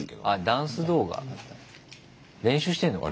ダンス動画練習してんのか。